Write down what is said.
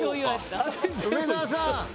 梅沢さん。